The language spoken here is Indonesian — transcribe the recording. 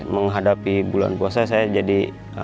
menghadapi bulan puasa saya jadi